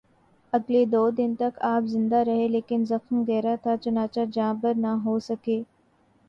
اگلے دو دن تک آپ زندہ رہے لیکن زخم گہرا تھا، چنانچہ جانبر نہ ہو سکے